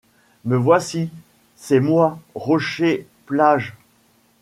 Me voici ! c'est moi ! rochers, plages